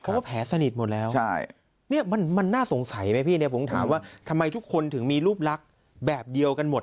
เพราะว่าแผลสนิทหมดแล้วเนี่ยมันน่าสงสัยไหมพี่เนี่ยผมถามว่าทำไมทุกคนถึงมีรูปลักษณ์แบบเดียวกันหมด